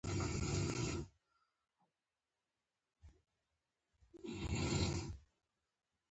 د فساد زېږنده ده.